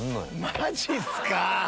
マジっすか！